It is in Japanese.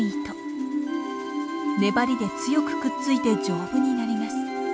粘りで強くくっついて丈夫になります。